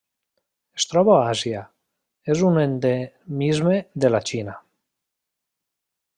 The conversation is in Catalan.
Es troba a Àsia: és un endemisme de la Xina.